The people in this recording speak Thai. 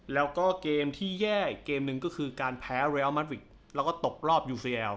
แล้วก็เกมที่แย่อีกเกมหนึ่งก็คือการแพ้เรียลมมัดวิกแล้วก็ตกรอบยูเซียล